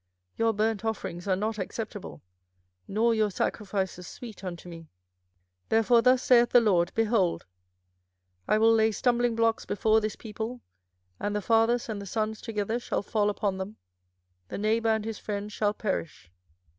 your burnt offerings are not acceptable, nor your sacrifices sweet unto me. 24:006:021 Therefore thus saith the LORD, Behold, I will lay stumblingblocks before this people, and the fathers and the sons together shall fall upon them; the neighbour and his friend shall perish.